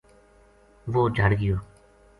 وہ جھَڑ گیو